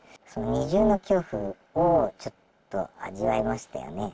二重の恐怖をちょっと味わいましたよね。